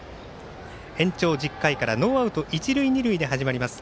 延長１０回からノーアウト一塁、二塁で始まります。